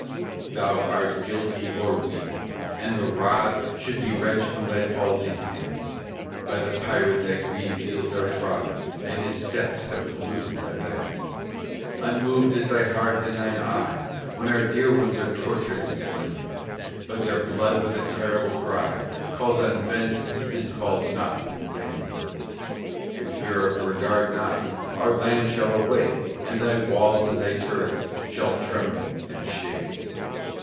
Thou art guilty or weak, and the rod Should be wrenched from thy palsied hand; By the pirate thy green fields are trod, And his steps have polluted thy land; Unmoved is thy heart and thine eye, When our dear ones are tortured and slain; But their blood with a terrible cry, Calls on vengeance, and calls not in vain; If Europe regard not our land shall awake, And thy walls and thy turrets shall tremble and shake.